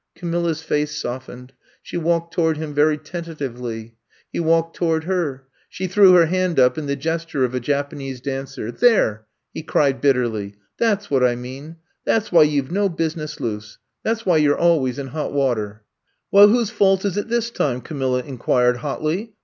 '' Camilla's face softened, she walked to ward him very tentatively. He walked to ward her. She threw her hand up in the gesture of a Japanese dancer. There," he cried bitterly. That 's what I mean. That 's why you 've no busi ness loose. That 's why you 're always in hot water. '' Well, whose fault is it this time!" Ca milla inquired hotly.